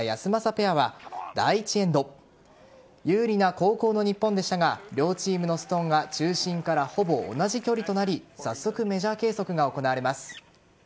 ペアは第１エンド有利な後攻の日本でしたが両チームのストーンが中心からほぼ同じ距離となり早速メジャー計測が行われます。